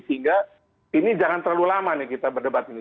sehingga ini jangan terlalu lama nih kita berdebat ini